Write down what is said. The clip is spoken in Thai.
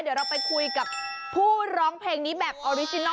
เดี๋ยวเราไปคุยกับผู้ร้องเพลงนี้แบบออริจินัล